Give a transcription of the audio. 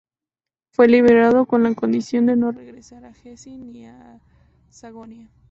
Fue liberado, con la condición de no regresar a Hesse ni a Sajonia.